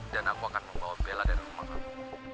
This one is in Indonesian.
dan aku akan membawa bella dari rumah kamu